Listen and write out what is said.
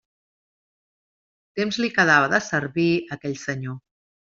Temps li quedava de servir aquell senyor.